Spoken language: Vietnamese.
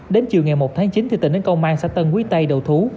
đến chiều ngày một tháng chín thì tình đến công an xã tân quý tây đầu thú